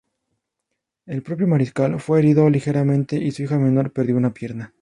El propio Mariscal fue herido ligeramente y su hijo menor perdió una pierna.